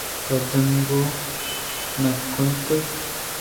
تو جَنٛگ وَ نہ کُتگ